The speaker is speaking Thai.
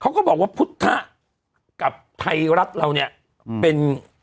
เขาก็บอกว่าพุทธกับไทยรัฐเราเนี่ยเป็น